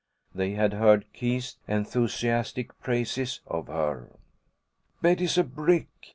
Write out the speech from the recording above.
They had heard Keith's enthusiastic praises of her. "Betty's a brick!"